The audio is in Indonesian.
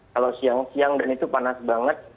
kalau siang siang dan itu panas banget